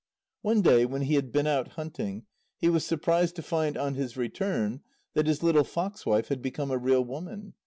One day when he had been out hunting, he was surprised to find on his return that his little fox wife had become a real woman.